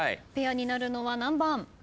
ペアになるのは何番？